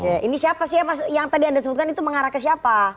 oke ini siapa sih ya mas yang tadi anda sebutkan itu mengarah ke siapa